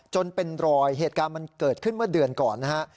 จนเป็นรอยเหตุการณ์มันเกิดขึ้นเมื่อเดือนก่อนนะฮะ